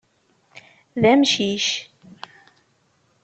D amcic.